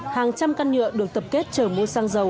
hàng trăm căn nhựa được tập kết trở mua xăng dầu